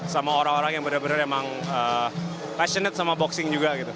sama orang orang yang benar benar emang passionate sama boxing juga gitu